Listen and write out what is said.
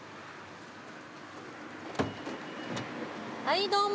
はいどうも！